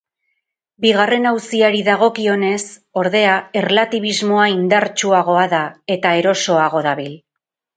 Bigarren auziari dagokionez, ordea, erlatibismoa indartsuagoa da, eta erosoago dabil.